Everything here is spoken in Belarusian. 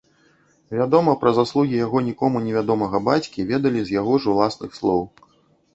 Вядома, пра заслугі яго нікому невядомага бацькі ведалі з яго ж уласных слоў.